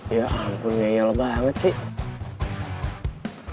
ya ampun ngeyel banget sih